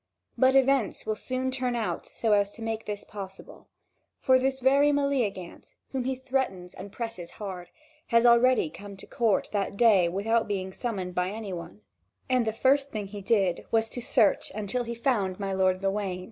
But events will soon turn out so as to make this possible; for this very Meleagant, whom he threatens and presses hard, had already come to court that day without being summoned by any one; and the first thing he did was to search until he found my lord Gawain.